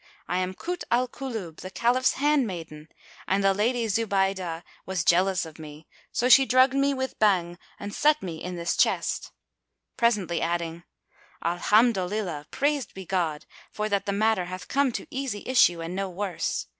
I am Kut al Kulub, the Caliph's handmaiden, and the Lady Zubaydah was jealous of me; so she drugged me with Bhang and set me in this chest," presently adding, "Alhamdolillah—praised be God—for that the matter hath come to easy issue and no worse!